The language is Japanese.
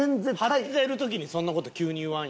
張ってる時にそんな事急に言わんよ。